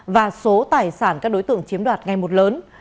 và số tài sản các đối tượng chiếm đoạt ngày một lớn